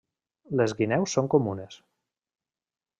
Les guineus són comunes.